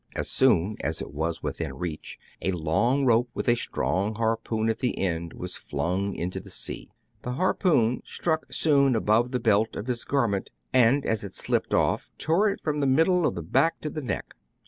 As soon as it was within reach, a long rope with a strong harpoon at the end was flung into the sea. The harpoon struck Soun above the belt of his garment, and, as it slipped off, tore it from the middle of the back to the neck.